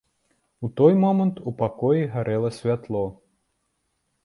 У той момант у пакоі гарэла святло.